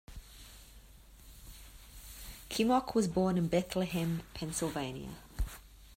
Kimock was born in Bethlehem, Pennsylvania.